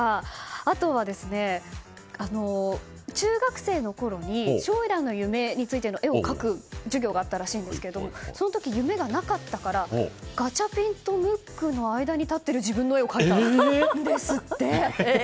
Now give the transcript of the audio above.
あとは、中学生のころに将来の夢についての絵を描く授業があったらしいんですがその時、夢がなかったからガチャピンとムックの間に立っている自分の絵を描いたんですって。